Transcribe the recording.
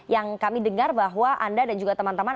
yang kami dengar bahwa anda dan juga teman teman